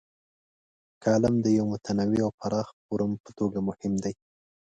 کالم د یوه متنوع او پراخ فورم په توګه مهم دی.